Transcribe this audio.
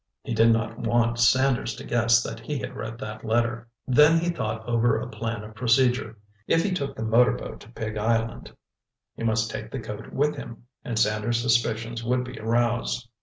He did not want Sanders to guess that he had read that letter. Then he thought over a plan of procedure. If he took the motor boat to Pig Island, he must take the coat with him, and Sanders' suspicions would be aroused.